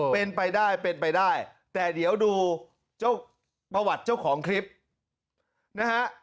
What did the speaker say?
เป็นไปได้เป็นไปได้แต่เดี๋ยวดูเจ้าประวัติเจ้าของคลิปนะฮะ